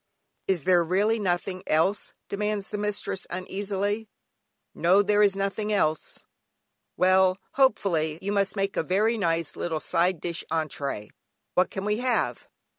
"Is there really nothing else?" demands the mistress uneasily. "No, there is nothing else." "Well," hopefully, "you must make a very nice little side dish (entrée), what can we have?"